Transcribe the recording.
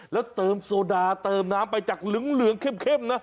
แล้วเติมโซดาเติมน้ำไปจากเหลืองเข้มนะ